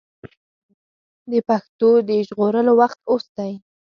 د پښتو د ژغورلو وخت اوس دی.